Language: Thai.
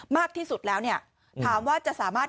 มากที่สุดแล้วเนี่ยถามว่าจะสามารถ